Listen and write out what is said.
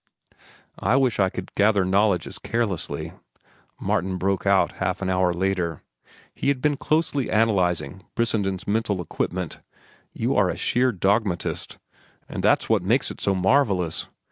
'" "I wish I could gather knowledge as carelessly," Martin broke out half an hour later. He had been closely analyzing Brissenden's mental equipment. "You are a sheer dogmatist, and that's what makes it so marvellous.